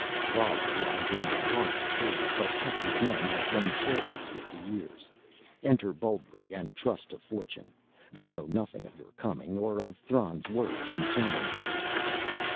"Thrala lies in the heart of the Caves but Kepta's men have grown careless with the years. Enter boldly and trust to fortune. They know nothing of your coming or of Thran's words concerning you."